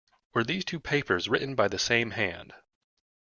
Were these two papers written by the same hand?